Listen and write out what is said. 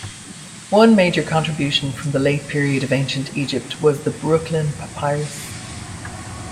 One major contribution from the Late Period of ancient Egypt was the Brooklyn Papyrus.